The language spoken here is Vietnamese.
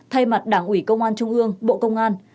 thay mặt đảng ủy công an trung ương bộ công an